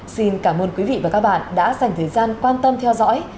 xin cảm ơn quý vị và các bạn đã dành thời gian quan tâm theo dõi